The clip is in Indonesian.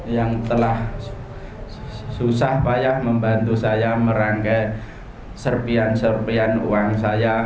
yang telah susah payah membantu saya merangkai serpian serpian uang saya